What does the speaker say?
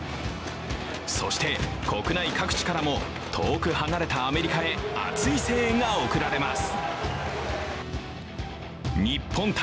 そして国内各地からも遠く離れたアメリカへ熱い声援が送られます。